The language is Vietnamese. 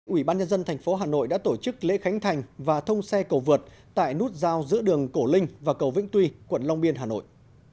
ủy ban nhân dân tp hà nội đã tổ chức lễ khánh thành và thông xe cầu vượt tại nút giao giữa đường cổ linh và cầu vĩnh tuy quận long biên hà nội